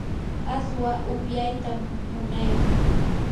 aswa upyaytam munaykan.